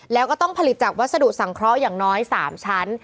แล้วก็ต้องผลิตจากวัสดุสังเคราะห์อย่างน้อย๓ชั้น